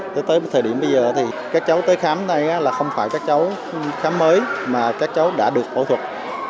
tới thời điểm bây giờ thì các cháu tới khám ở đây là không phải các cháu khám mới mà các cháu đã được phẫu thuật